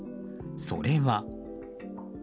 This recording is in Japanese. それは。